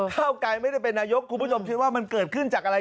เก้าไกรไม่ได้เป็นนายกคุณผู้ชมคิดว่ามันเกิดขึ้นจากอะไร